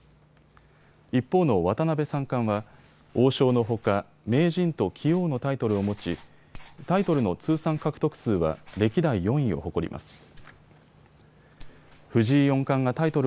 一方の渡辺三冠は、王将のほか名人と棋王のタイトルを持ちタイトルの通算獲得数は歴代４位を誇ります。